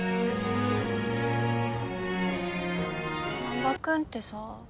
難破君ってさ。